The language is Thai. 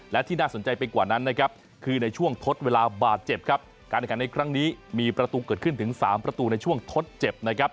และที่น่าสนใจไปกว่านั้นนะครับคือในช่วงทดเวลาบาดเจ็บครับการแข่งขันในครั้งนี้มีประตูเกิดขึ้นถึงสามประตูในช่วงทดเจ็บนะครับ